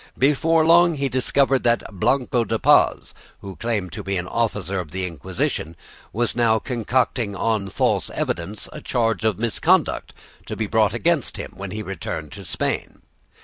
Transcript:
Before long he discovered that Blanco de Paz, who claimed to be an officer of the Inquisition, was now concocting on false evidence a charge of misconduct to be brought against him on his return to Spain.